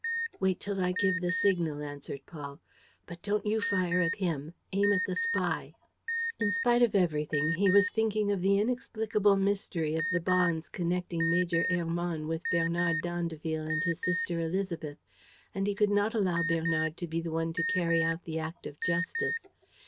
"Wait till I give the signal," answered Paul. "But don't you fire at him, aim at the spy." In spite of everything, he was thinking of the inexplicable mystery of the bonds connecting Major Hermann with Bernard d'Andeville and his sister Élisabeth and he could not allow Bernard to be the one to carry out the act of justice.